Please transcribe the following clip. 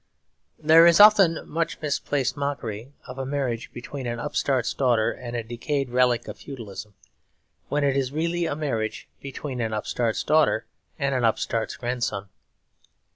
There is often much misplaced mockery of a marriage between an upstart's daughter and a decayed relic of feudalism; when it is really a marriage between an upstart's daughter and an upstart's grandson.